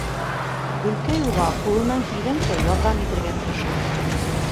Гөлкәй уға ҡулынан килгәнсә ярҙам итергә тырыша.